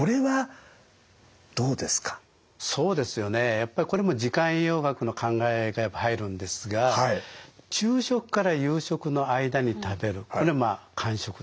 やっぱりこれも時間栄養学の考えがやっぱり入るんですが昼食から夕食の間に食べるこれ間食ね。